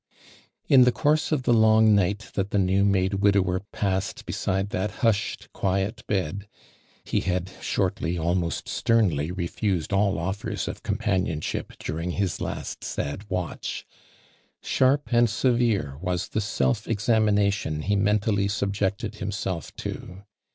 in the course of the long night tliat th« new made widower [>as8ed beside that hush ed, quiet bed, (he had shortly, almost stern ly refuse«l, all oifers of companionship dur ing his last sad watch), sharp and severe was the self examination he mentally subjected himself too.